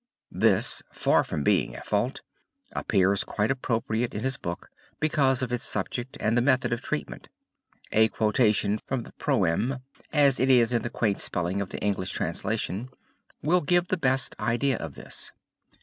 This, far from being a fault, appears quite appropriate in his book because of its subject and the method of treatment. A quotation from the proeme (as it is in the quaint spelling of the English translation) will give the best idea of this.